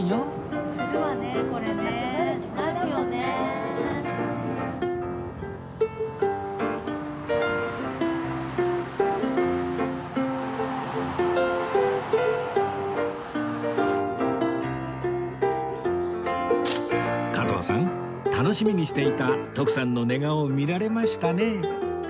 楽しみにしていた徳さんの寝顔見られましたね